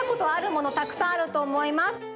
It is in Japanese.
たくさんあるとおもいます。